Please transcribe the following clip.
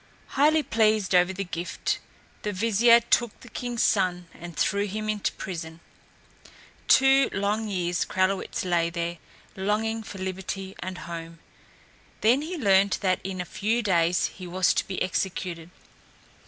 Highly pleased over the gift, the vizier took the king's son and threw him into prison. Two long years Kralewitz lay there, longing for liberty and home. Then he learned that in a few days he was to be executed.